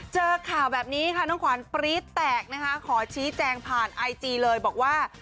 เจอข่าวแบบนี้ค่ะน้องขวัญปรี๊ดแตกนะคะขอชี้แจงผ่านไอจีเลยบอกว่า